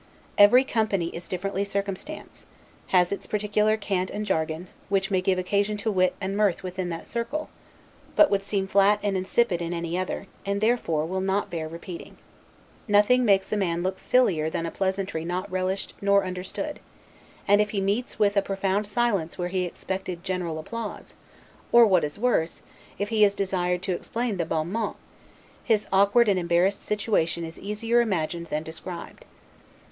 Every company is differently circumstanced, has its particular cant and jargon; which may give occasion to wit and mirth within that circle, but would seem flat and insipid in any other, and therefore will not bear repeating. Nothing makes a man look sillier than a pleasantry not relished or not understood; and if he meets with a profound silence when he expected a general applause, or, what is worse, if he is desired to explain the bon mot, his awkward and embarrassed situation is easier imagined' than described.